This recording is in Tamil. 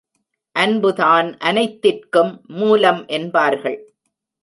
அன்புதான் அனைத்திற்கும் மூலம் என்பார்கள்.